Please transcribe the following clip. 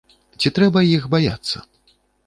Ці трэба іх баяцца?